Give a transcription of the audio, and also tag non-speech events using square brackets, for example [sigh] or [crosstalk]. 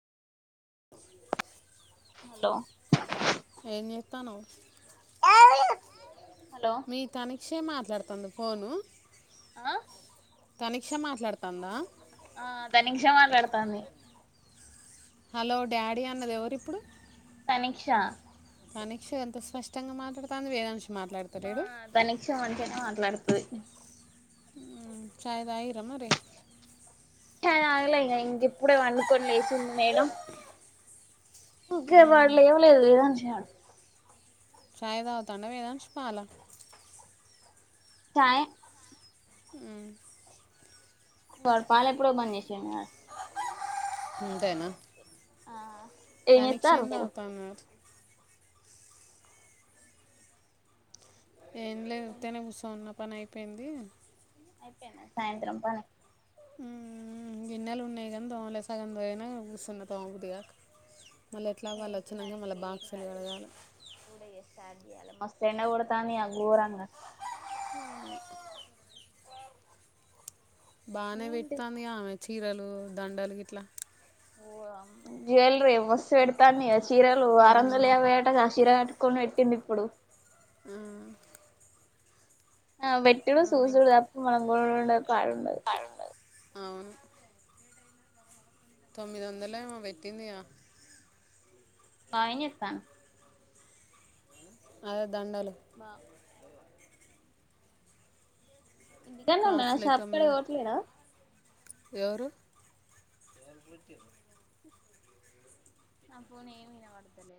ఉ hello తను hello మీ తనిక్షే మాట్లాడుత తన ఫోను ఆ తనిక్ష మాట్లాడుతందా ఆ ధనిష మాట్లాడతాంది హలో డాడీ అన్నది ఎవరు ఇప్పుడు తానిక్షా కానీక్ష ఎంత స్పష్టంగా మాట్లాడతాంది వేదాన్ష్ ఆ దానిక్ష మంచినే మాట్లాడుతది మ్మ్, చాయ్ తాగి చాయ్ టాగలే ఇగా ఇప్ అప్పుడే పండుకొని లేసింది మేడం ఇంకా మ్మ్, వాడు లేవలేదు వేదాన్షిగా చాయ్ తాగుతాండా వేదాన్ష్ పాల చాయే వాడు పాలు ఎప్పుడో బంద్ చేసిండు అంతేనా ఆ తనిక్ష చేత్తారు ఏం మీరు తాగుతాంది మరి ఏం లేదు ఉత్తనే కుసోని ఉన్నాం పని అయిపోయింది అయిపోయిందా సాయంత్రం పని గిన్నెలు ఉన్నాయి కానీ దోమలే సగం దోమిన ఈడ కూసున్న తోముబుద్ధిగాక మళ్ళీ ఎట్లాగు నేను వాళ్ళు ఇంక నాది వచ్చినాక మళ్ళీ ఇంకేం బాక్సులు కాలేదు కడగాల ఇప్పుడే స్టార్ట్ మస్తు ఎండ కొడతాంది ఇగా ఘోరంగా బానే ఏంటి పెడతాందిగా ఆమె చీరలు లు దండల్ గిట్లా జ్యువెలరీ మస్తు పెడు ధన్య చీరలు ఆ, ఆరవందల యాబై అటగా ఆ చీర కొన్ని పెట్టింది ఇప్పుడు ఆ ఆ వెట్టుడు ఆ, సూసుడు తప్ప మనం [inaudible] కాడ ఉండదు అవును తొమ్మిది వందలేమో పేట్టింది ఇక బాగా ఏం చేస్తాడు అదే దండలు బావ ఇంటికడనే ఉన్నారా షాప్ కాడికి పొవట్లేదా ఎవెరు నా ఫోన్ ఏమినబడతలేదు